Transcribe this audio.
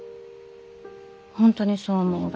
本当にそう思うが？